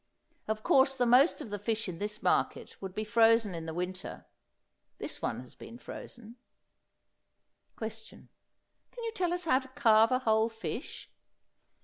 Of course the most of the fish in this market would be frozen in the winter. This one has been frozen. Question. Can you tell us how to carve a whole fish?